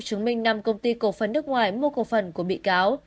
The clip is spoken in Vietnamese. chứng minh năm công ty cầu phần nước ngoài mua cầu phần của bị cáo